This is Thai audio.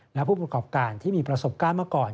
และผู้ประกอบการที่มีประสบการณ์เมื่อก่อน